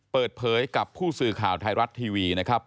เปิดเผยกับผู้สื่อข่าวไทยรัฐทีวีนะครับ